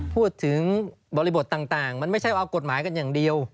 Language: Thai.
พูดถึงบริบทต่างมันไม่ใช่เอากฎหมายกันอย่างเดียว